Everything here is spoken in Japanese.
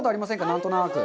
何となく。